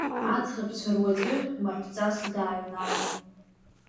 Аӡӷабцәа руаӡәы маҳәҵас дааҩналон.